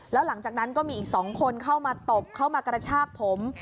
แล้วหลังจากนั้นก็มีอีก๒คนเข้ามาตบเข้ามากระชากผม